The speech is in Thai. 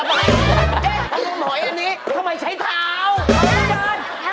เอาหอยอันนี้ทำไมใช้เท้า